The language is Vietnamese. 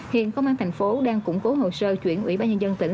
hiện công an tp sa đéc đang củng cố hồ sơ chuyển ủy ba nhân dân tỉnh